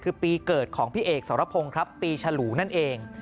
คือปีเกิดของพี่เอกสรพงศ์ครับปีฉลูนั่นเอง